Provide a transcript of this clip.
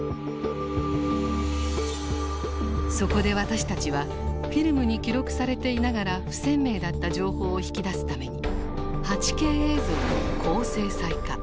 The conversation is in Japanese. そこで私たちはフィルムに記録されていながら不鮮明だった情報を引き出すために８Ｋ映像に高精細化。